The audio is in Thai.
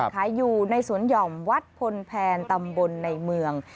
ขายอยู่ในสวนหย่อมวัดพลแพนตำบลในเมือง